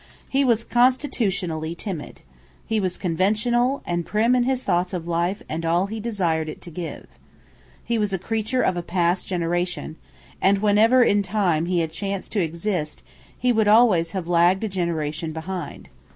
He was constitutionally timid. He was conventional, and prim in his thoughts of life and all he desired it to give. He was a creature of a past generation; and whenever in time he had chanced to exist he would always have lagged a generation behind.